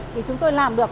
thì chúng tôi làm được